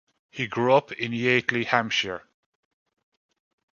He grew up in Yateley, Hampshire.